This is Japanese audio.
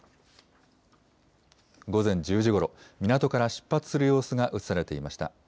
午前１０時ごろ、港から出発する様子が写されていました。